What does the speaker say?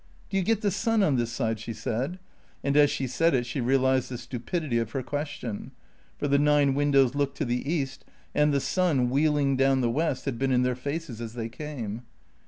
"Do you get the sun on this side?" she said; and as she said it she realised the stupidity of her question; for the nine windows looked to the east, and the sun, wheeling down the west, had been in their faces as they came.